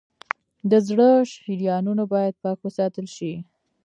د زړه شریانونه باید پاک وساتل شي.